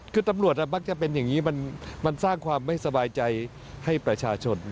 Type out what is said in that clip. คือตำรวจมักจะเป็นอย่างนี้มันสร้างความไม่สบายใจให้ประชาชน